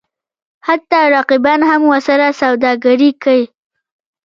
حتی رقیبان هم ورسره سوداګري کوي.